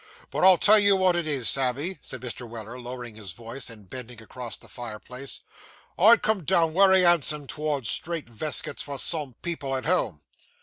But I'll tell you what it is, Sammy,' said Mr. Weller, lowering his voice, and bending across the fireplace; 'I'd come down wery handsome towards strait veskits for some people at home.